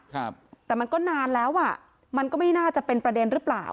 ครับแต่มันก็นานแล้วอ่ะมันก็ไม่น่าจะเป็นประเด็นหรือเปล่า